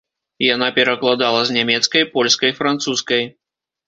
Яна перакладала з нямецкай, польскай, французскай.